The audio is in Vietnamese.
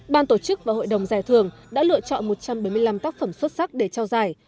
ban tổ chức và hội đồng giải thưởng đã lựa chọn một trăm bảy mươi năm tác phẩm xuất sắc để trao giải